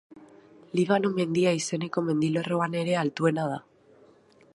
Libano mendia izeneko mendilerroan ere altuena da.